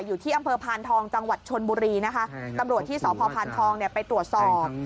อยู่ที่อำเภอพานทองจังหวัดชนบุรีนะคะตำรวจที่สพพานทองเนี่ยไปตรวจสอบ